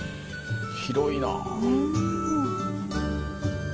広いなぁ。